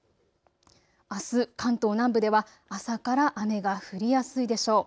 あす関東南部では朝から雨が降りやすいでしょう。